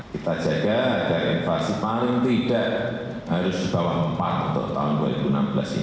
kita jaga agar inflasi paling tidak harus di bawah empat untuk tahun dua ribu enam belas ini